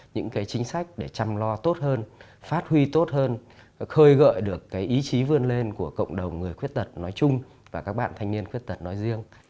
những chính sách để chăm lo tốt hơn phát huy tốt hơn khơi gợi được cái ý chí vươn lên của cộng đồng người khuyết tật nói chung và các bạn thanh niên khuyết tật nói riêng